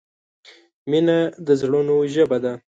مینه د زړونو ژبه ده.